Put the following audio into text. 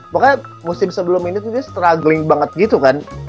makanya musim sebelum ini tuh dia struggling banget gitu kan